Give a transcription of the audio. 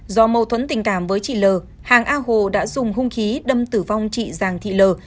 do mâu thuẫn tình cảm với chị l hàng a hồ đã dùng hung khí đâm tử vong chị giàng thị lờ